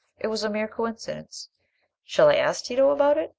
"It was a mere coincidence. Shall I ask Tito about it?"